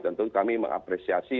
dan tentu kami mengapresiasi